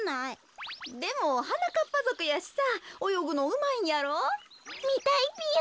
でもはなかっぱぞくやしさおよぐのうまいんやろ？みたいぴよ！